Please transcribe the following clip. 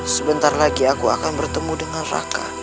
sebentar lagi aku akan bertemu dengan raka